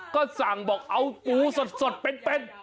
ก็สั่งบอกเอาปูสดเป็น